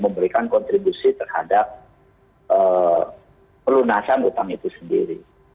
memberikan kontribusi terhadap pelunasan utang itu sendiri